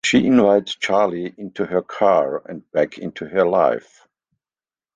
She invites Charlie into her car and back into her life.